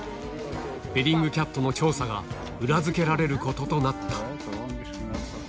ベリングキャットの調査が裏付けられることとなった。